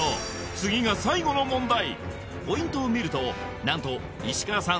次が最後の問題ポイントを見ると何と石川さん